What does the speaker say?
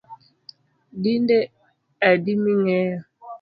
Dinde adi mingeyo